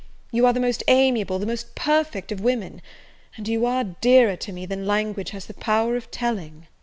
you are the most amiable, the most perfect of women! and you are dearer to me than language has the power of telling."